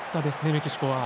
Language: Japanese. メキシコは。